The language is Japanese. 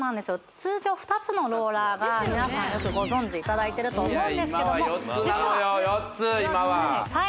通常２つのローラーが皆さんよくご存じいただいてると思うんですけどもいや